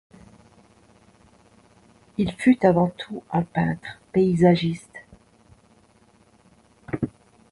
Il fut avant tout un peintre paysagiste.